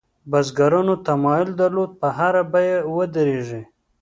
بزګرانو تمایل درلود په هره بیه ودرېږي.